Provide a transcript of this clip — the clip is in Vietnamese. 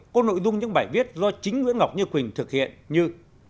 có nội dung những bài viết do chính nguyễn ngọc như quỳnh thực hiện như